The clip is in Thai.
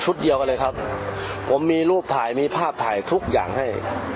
เดียวกันเลยครับผมมีรูปถ่ายมีภาพถ่ายทุกอย่างให้